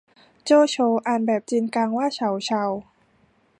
โจโฉ อ่านแบบจีนกลางว่าเฉาเชา